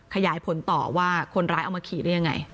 ขยายผลต่อว่าคนร้ายเอามาขี่ได้ยังไง